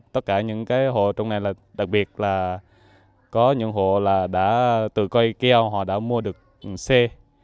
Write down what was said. tất cả những hộ trong này đặc biệt là có những hộ từ cây keo họ đã mua được xe